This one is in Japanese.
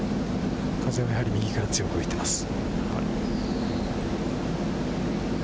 風はやはり右から強く吹いています。